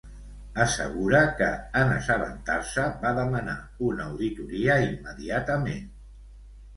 Assegura que en assabentar-se va demanar una auditoria immediatament.